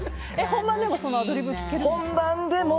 本番でもそのアドリブ聞けるんですか？